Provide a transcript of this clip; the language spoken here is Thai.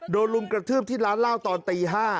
โดนรุมกระทืบที่ร้านเล่าตอนตี๕